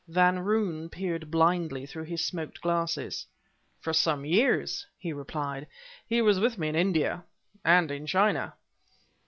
Van Roon peered blindly through his smoked glasses. "For some years," he replied; "he was with me in India and in China."